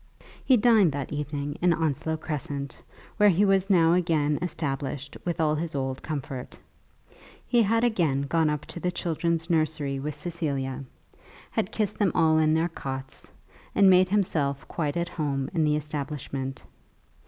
He dined that evening in Onslow Crescent, where he was now again established with all his old comfort. He had again gone up to the children's nursery with Cecilia, had kissed them all in their cots, and made himself quite at home in the establishment.